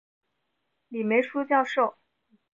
李梅树教授